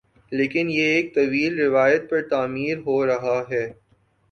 لیکن یہ ایک طویل روایت پر تعمیر ہو رہا ہے